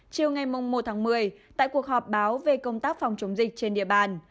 chiều ngày một tháng một mươi tại cuộc họp báo về công tác phòng chống dịch trên địa bàn